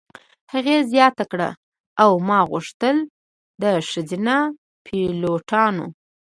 هغې زیاته کړه: "او ما غوښتل د ښځینه پیلوټانو.